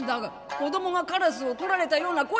子供がカラスをとられたような声出して！